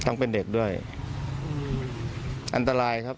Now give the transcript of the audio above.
ทีมข่าวเราก็พยายามสอบปากคำในแหบนะครับ